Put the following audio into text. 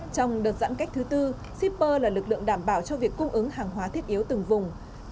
trong đợt giãn cách thứ tư shipper là lực lượng đảm bảo cho việc cung ứng hàng hóa thiết yếu từng vùng